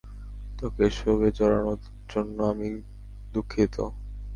তোকে এসবে জড়ানোর জন্য আমি দুঃখিত।